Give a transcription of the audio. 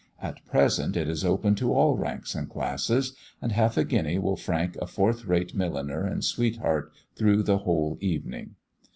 At present, it is open to all ranks and classes, and half a guinea will frank a fourth rate milliner and sweetheart through the whole evening.